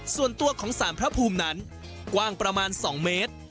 ส่วนตัวของสารพระภูมินั้นกว้างประมาณ๒เมตร